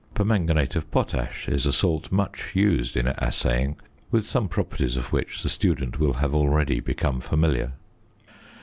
Permanganate of potash is a salt much used in assaying, with some properties of which the student will have already become familiar.